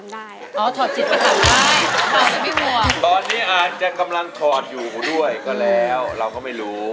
ไม่อาจจะกำลังถอดอยู่ด้วยก็แล้วเราก็ไม่รู้